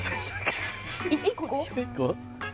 １個？